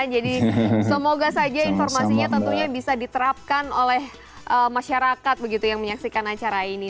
jadi semoga saja informasinya tentunya bisa diterapkan oleh masyarakat begitu yang menyaksikan acara ini